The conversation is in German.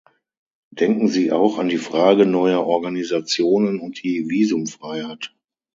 Denken Sie auch an die Frage neuer Organisationen und die Visumfreiheit.